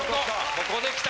ここで来た。